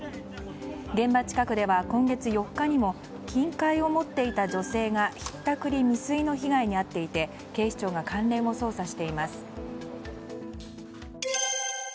現場近くでは今月４日にも金塊を持っていた女性がひったくり未遂の被害に遭っていて警視庁が関連を捜査しています。